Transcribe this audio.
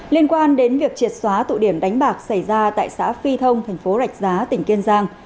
liên quan đến việc triệt xóa tụ điểm đánh bạc xảy ra tại xã phi thông thành phố rạch giá tỉnh kiên giang